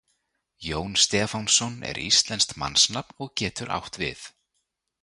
Jón Stefánsson er íslenskt mannsnafn og getur átt við.